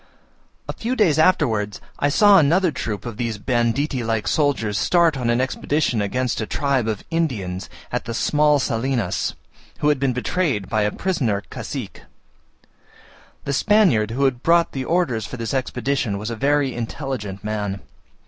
A few days afterwards I saw another troop of these banditti like soldiers start on an expedition against a tribe of Indians at the small Salinas, who had been betrayed by a prisoner cacique. The Spaniard who brought the orders for this expedition was a very intelligent man.